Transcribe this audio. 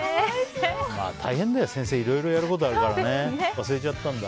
大変だよ、先生いろいろやることあるからね忘れちゃったんだ。